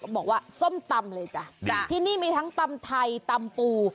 บอกว่าส้มตำเลยจ้ะที่นี่มีทั้งตำไทยตำปู